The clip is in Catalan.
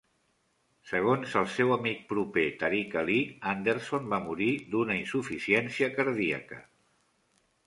Segons el seu amic proper Tariq Ali, Anderson va morir d'una insuficiència cardíaca.